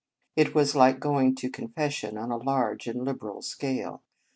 It was like going to confession on a large and liberal scale.